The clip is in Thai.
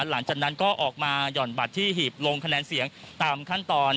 หลังจากนั้นก็ออกมาหย่อนบัตรที่หีบลงคะแนนเสียงตามขั้นตอน